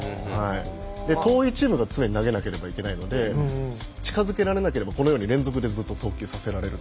遠いチームが常に投げなければいけないので近づけられなければ連続でずっと投球させられる。